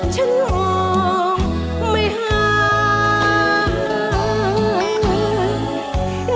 ฉันมองไม่ห่าง